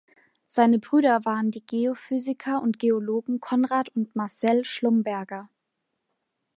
Seine Brüder waren die Geophysiker und Geologen Conrad und Marcel Schlumberger.